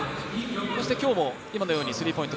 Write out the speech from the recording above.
そして今日も今のようにスリーポイント。